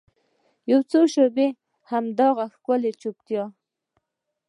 یوڅو شیبې د هغې ښکلې چوپتیا